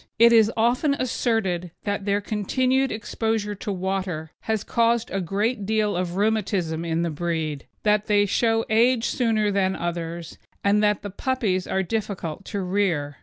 It is often asserted that their continued exposure to water has caused a good deal of rheumatism in the breed, that they show age sooner than others, and that the puppies are difficult to rear.